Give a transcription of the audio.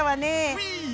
ウィー！